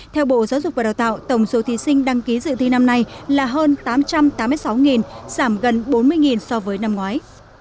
theo bộ giáo dục và đào tạo tổng số thí sinh đăng ký dự thi năm nay là hơn tám trăm tám mươi sáu giảm gần bốn mươi so với năm ngoái